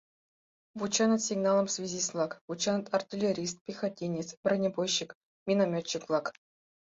Вученыт сигналым связист-влак, вученыт артиллерист, пехотинец, бронебойщик, миномётчик-влак.